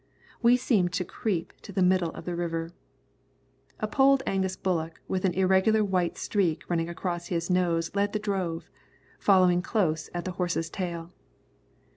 We seemed to creep to the middle of the river. A Polled Angus bullock with an irregular white streak running across his nose led the drove, following close at the horse's tail.